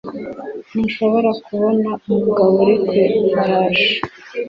ntushobora kubona umugabo uri ku ifarashi